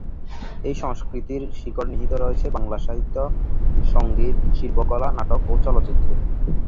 এই সংস্কৃতির শিকড় নিহিত রয়েছে বাংলা সাহিত্য, সংগীত, শিল্পকলা, নাটক ও চলচ্চিত্রে।